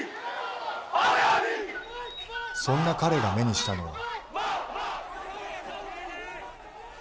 そんな彼が目にしたのは。